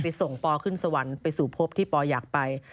ส่งปอขึ้นสวรรค์ไปสู่พบที่ปออยากไป